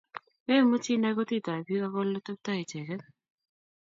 Memuchii inaay kutitab biik ako oleteptoi icheget